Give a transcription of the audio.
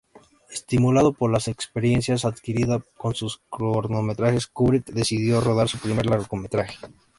Estimulado por la experiencia adquirida con sus cortometrajes, Kubrick decidió rodar su primer largometraje.